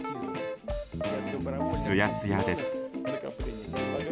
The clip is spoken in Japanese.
すやすやです。